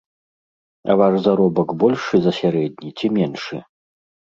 А ваш заробак большы за сярэдні ці меншы?